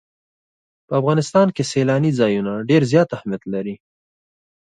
په افغانستان کې سیلاني ځایونه ډېر زیات اهمیت لري.